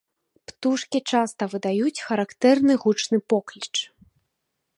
Птушкі часта выдаюць характэрны гучны покліч.